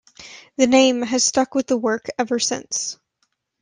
The name has stuck with the work ever since.